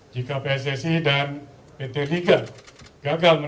yang diperlengkuti dengan kegiatan